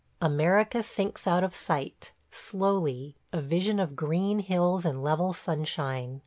... America sinks out of sight, slowly – a vision of green hills in level sunshine.